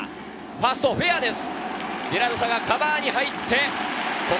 ファースト、フェアです。